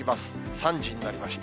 ３時になりました。